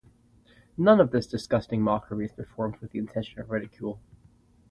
None of this disgusting mockery is performed with the intention of ridicule.